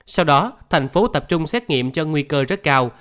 sau đó thành phố tập trung xét nghiệm cho nguy cơ rất cao